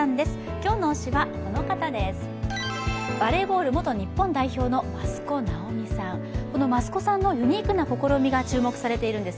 今日の推しはこの方です。